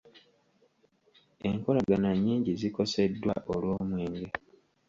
Enkolagana nyingi zikoseddwa olw'omwenge .